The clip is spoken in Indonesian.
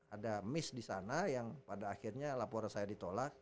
ada miss di sana yang pada akhirnya laporan saya ditolak